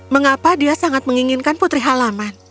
mengapa dia sangat menginginkan putri halaman